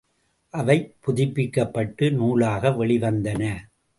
அவை புதுப்பிக்கப்பட்டு, நூலாக வெளிவந்தன.